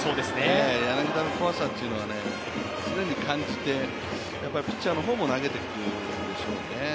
柳田の怖さというのは常に感じてピッチャーとしても、どうにかしたいところでしょうね。